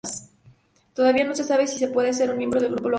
Todavía no se sabe si puede ser un miembro del Grupo Local.